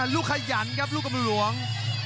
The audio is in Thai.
ลูกขยันครับลูกกำรุงหลวง